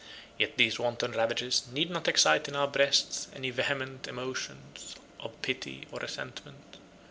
Yet these wanton ravages need not excite in our breasts any vehement emotions of pity or resentment.